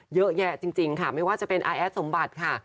เยอะแยะจริงค่ะไม่ว่าจะเป็นอาแอดสมบัติค่ะ